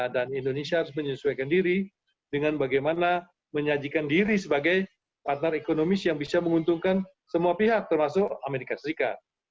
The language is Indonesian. dan indonesia harus menyesuaikan diri dengan bagaimana menyajikan diri sebagai partner ekonomis yang bisa menguntungkan semua pihak termasuk amerika serikat